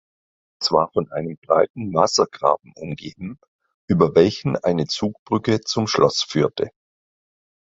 Es war von einem breiten Wassergraben umgeben, über welchen eine Zugbrücke zum Schloss führte.